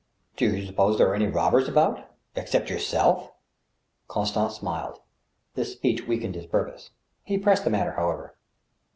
" Do you suppose there are any robbers about, ... except your ^selves ?" Constant smiled. This speech weakened his purpose. He pressed the matter, however.